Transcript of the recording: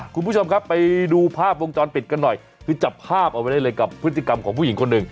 คุณผู้ชมครับไปดูภาพวงจรปิดกันหน่อยคือจับภาพเอาไว้ได้เลยกับพฤติกรรมของผู้หญิงคนหนึ่ง